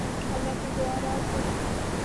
هلک د دعا راز دی.